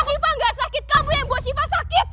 siva gak sakit kamu yang buat siva sakit